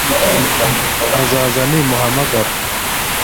Azaza nimuhamagara